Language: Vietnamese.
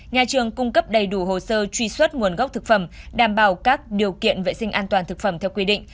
nhà trường cung cấp đầy đủ hồ sơ truy xuất nguồn gốc thực phẩm đảm bảo các điều kiện vệ sinh an toàn thực phẩm theo quy định